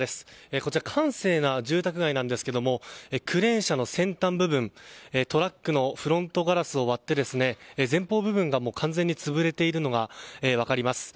こちら、閑静な住宅街なんですがクレーン車の先端部分トラックのフロントガラスを割って前方部分が完全に潰れているのが分かります。